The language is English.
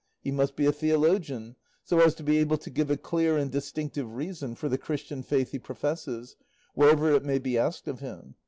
He must be a theologian, so as to be able to give a clear and distinctive reason for the Christian faith he professes, wherever it may be asked of him.